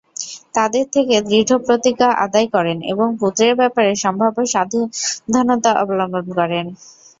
তাদের থেকে দৃঢ় প্রতিজ্ঞা আদায় করেন এবং পুত্রের ব্যাপারে সম্ভাব্য সাবধানতা অবলম্বন করেন।